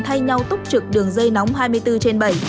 thay nhau túc trực đường dây nóng hai mươi bốn trên bảy